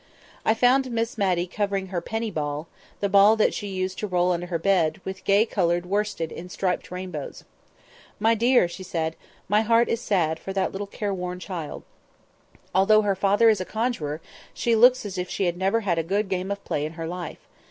I found Miss Matty covering her penny ball—the ball that she used to roll under her bed—with gay coloured worsted in rainbow stripes. "My dear," said she, "my heart is sad for that little careworn child. Although her father is a conjuror, she looks as if she had never had a good game of play in her life.